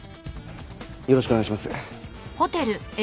よろしくお願いします。